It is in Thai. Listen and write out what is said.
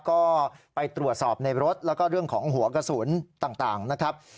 ก็ไปตรวจสอบในรถแล้วก็เรื่องของหัวกระสุนต่างนะครับ